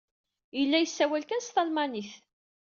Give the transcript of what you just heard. Yella yessawal kan s talmanit.